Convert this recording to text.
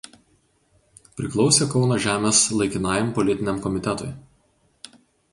Priklausė "Kauno žemės laikinajam politiniam komitetui".